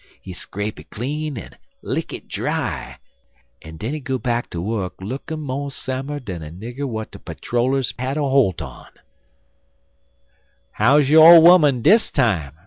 He scrape it clean en lick it dry, en den he go back ter wuk lookin' mo' samer dan a nigger w'at de patter rollers bin had holt un. "'How's yo' ole 'oman dis time?'